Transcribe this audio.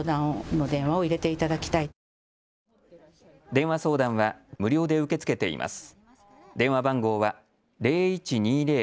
電話相談は無料で受け付けています。